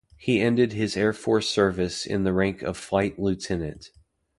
He ended his air force service in the rank of flight lieutenant.